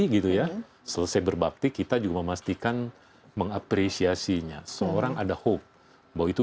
gitu ya selesai berbakti kita juga memastikan mengapresiasinya seorang ada hope bahwa itu